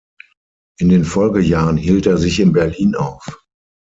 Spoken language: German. In den Folgejahren hielt er sich in Berlin auf.